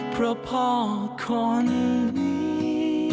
เพราะพ่อคนนี้